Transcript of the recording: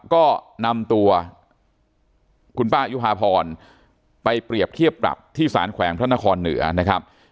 ก็นำตัวคุณป้ายุภาพรไปเปรียบเทียบปรับที่สารแขวงพระนครเหนือนะครับ